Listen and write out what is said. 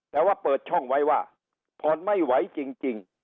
แต่ว่าเปิดช่องไว้ว่าผ่อนไม่ไหวจริง